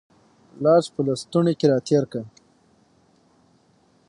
لاس په لستوڼي کې را تېر کړه